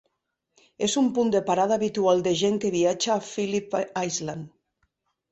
És un punt de parada habitual de gent que viatja a Phillip Island.